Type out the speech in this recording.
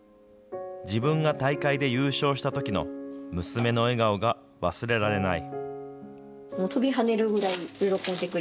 自分が大会で優勝したときの、娘の笑顔が忘れられない。